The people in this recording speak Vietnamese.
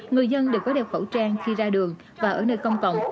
người dân đều có đeo khẩu trang khi ra đường và ở nơi công cộng